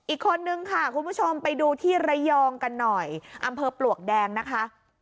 อีกคนนึงค่ะคุณผู้ชมไปดูที่ระยองกันหน่อยอำเภอปลวกแดงนะคะ